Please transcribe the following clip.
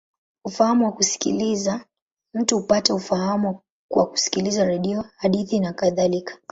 Ufahamu wa kusikiliza: mtu hupata ufahamu kwa kusikiliza redio, hadithi, nakadhalika.